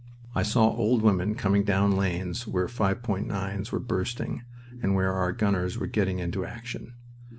I saw old women coming down lanes where 5.9's were bursting and where our gunners were getting into action.